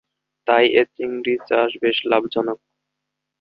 তাই এ চিংড়ি চাষ বেশ লাভজনক।